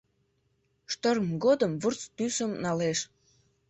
Шторм годым вурс тӱсым налеш.